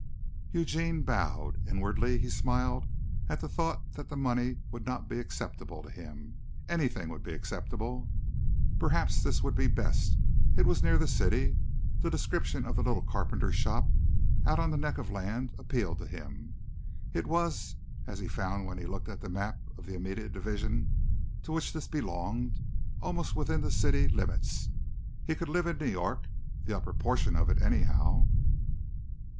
Eugene bowed. Inwardly he smiled at the thought that the money would not be acceptable to him. Anything would be acceptable. Perhaps this would be best. It was near the city. The description of the little carpenter shop out on the neck of land appealed to him. It was, as he found when he looked at the map of the immediate division to which this belonged, almost within the city limits. He could live in New York the upper portion of it anyhow.